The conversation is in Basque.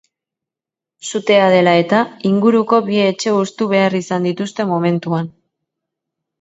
Sutea dela dela, inguruko bi etxe hustu behar izan dituzte momentuan.